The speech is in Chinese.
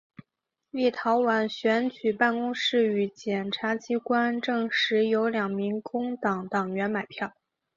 立陶宛选举办公室与检察机关证实有两名工党党员买票。